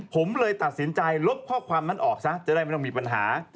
ผมเลยตัดสินใจลบข้อความนั้นออกซะจะได้ไม่ต้องมีปัญหา